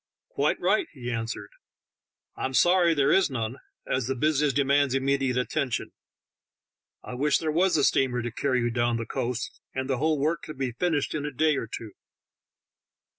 "Quite right," he answered; "I'm sorry there is THE TALKING HANDKERCHIEF. 11 none, as the business demands immediate atten tion. I wish there was a steamer to carry you down the coast, and the whole work could be finished in a day or two."